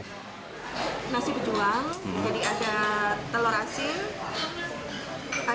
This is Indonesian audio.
nasi pejuang jadi ada telur asin